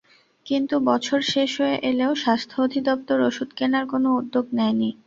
কিন্তু বছর শেষ হয়ে এলেও স্বাস্থ্য অধিদপ্তর ওষুধ কেনার কোনো উদ্যোগ নেয়নি।